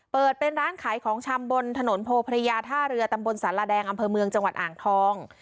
เปิดเป็นร้านขายของชำบนถนนโพพระยาท่าเรือตำบลสารแดงอำเภอเมืองจังหวัดอ่างทอง